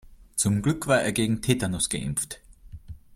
Zum Glück war er gegen Tetanus geimpft.